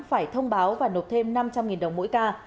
phải thông báo và nộp thêm năm trăm linh đồng mỗi ca